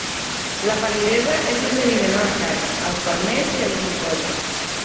La pal·lidesa és més evident a la cara, als palmells i a les mucoses.